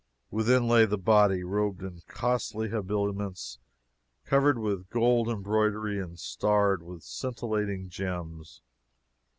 Within lay the body, robed in costly habiliments covered with gold embroidery and starred with scintillating gems.